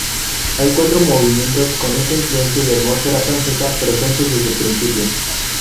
Hay cuatro movimientos, con esta influencia y atmósfera francesa presentes desde el principio.